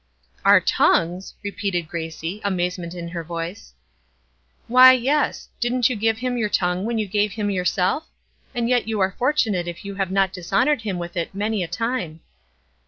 "Our tongues!" repeated Gracie, amazement in her voice. "Why, yes; didn't you give Him your tongue when you gave Him yourself? And yet you are fortunate if you have not dishonored Him with it many a time."